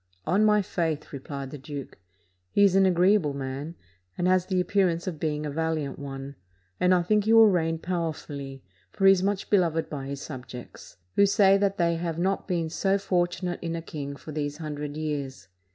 "On my faith," replied the duke, "he is an agreeable man, and has the appearance of being a valiant one, and I think he will reign power fully; for he is much beloved by his subjects, who say that they have not been so fortunate in a king for these hundred years.